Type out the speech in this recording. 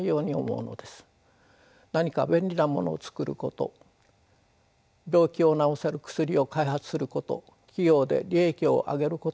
何か便利なものを作ること病気を治せる薬を開発すること企業で利益を上げることでしょうか？